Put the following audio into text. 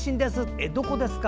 え、どこですか？